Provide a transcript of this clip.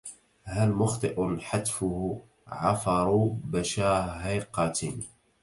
هل مخطئ حتفه عفر بشاهقة